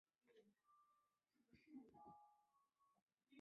只有符合奥林匹克宪章的运动员才能够参加本届东京奥运。